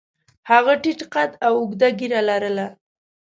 هغه ټیټ قد او اوږده ږیره لرله.